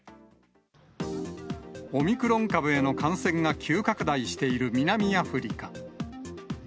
オミクロン株への感染が急拡大している南アフリカ。